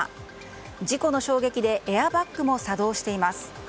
事故の衝撃でエアバッグも作動しています。